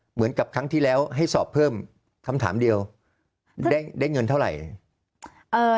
เหมือนกับครั้งที่แล้วให้สอบเพิ่มคำถามเดียวได้เงินเท่าไหร่